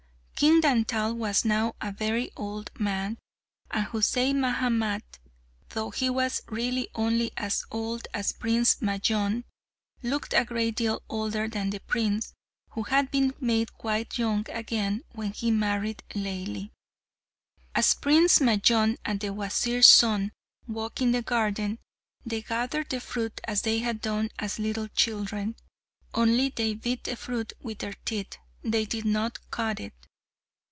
King Dantal was now a very old man, and Husain Mahamat, though he was really only as old as Prince Majnun, looked a great deal older than the prince, who had been made quite young again when he married Laili. As Prince Majnun and the Wazir's son walked in the garden, they gathered the fruit as they had done as little children, only they bit the fruit with their teeth; they did not cut it.